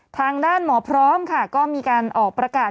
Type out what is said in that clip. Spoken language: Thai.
ทางด้านหมอพร้อมค่ะก็มีการออกประกาศ